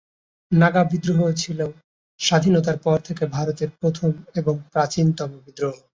নাগা বিদ্রোহ ছিল স্বাধীনতার পর থেকে ভারতের প্রথম এবং প্রাচীনতম বিদ্রোহ।